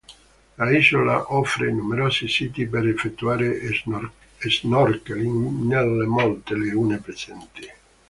L'isola offre numerosi siti per effettuare snorkeling nelle molte lagune presenti.